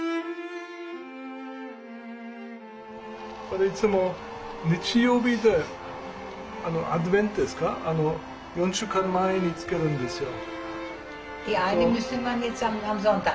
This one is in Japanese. これいつも日曜日でアドベントですか４週間前につけるんですよ。